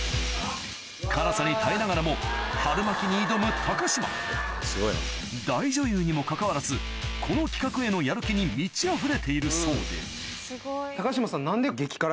辛さに耐えながらも春巻きに挑む高島大女優にもかかわらずこの企画へのやる気に満ちあふれているそうで高島さん。